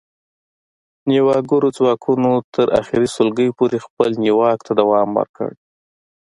نیواکګرو ځواکونو تر اخري سلګۍ پورې خپل نیواک ته دوام ورکړ